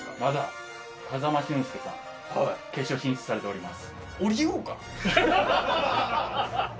風間俊介さん、決勝進出されています。